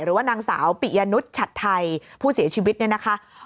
หรือว่านางสาวปิยนุษย์ฉัดไทยผู้เสียชีวิตเนี่ยนะคะ